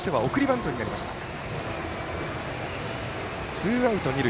ツーアウト、二塁。